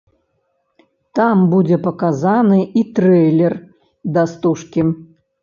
Там будзе паказаны і трэйлер да стужкі.